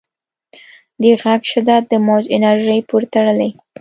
د غږ شدت د موج انرژۍ پورې تړلی.